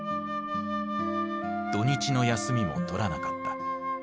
土日の休みも取らなかった。